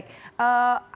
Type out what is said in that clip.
terima kasih pak budi